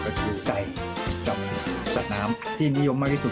ก็คือใกล้กับสัตว์น้ำที่นิยมมากที่สุด